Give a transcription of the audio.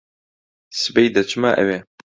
سبەی دەچمە ئەوێ.